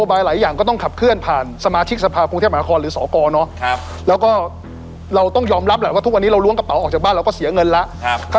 ตัวใหญ่คือต้องหาความร่วมมือกับการเคฮะกับงานงานต่างและการหาที่อยู่